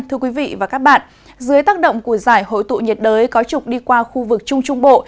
thưa quý vị và các bạn dưới tác động của giải hội tụ nhiệt đới có trục đi qua khu vực trung trung bộ